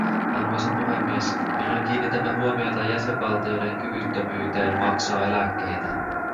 Arvoisa puhemies, milloin kiinnitämme huomiota jäsenvaltioiden kyvyttömyyteen maksaa eläkkeitä?